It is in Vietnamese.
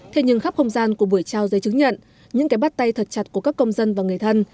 thế nhưng khắp không gian của buổi trao giấy chứng nhận những cái bắt tay thật chặt của các công dân và người thân